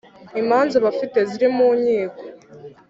Imanza bafite ziri mu nkiko